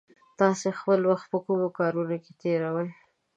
تاسې خپل وخت په کومو کارونو کې تېروئ؟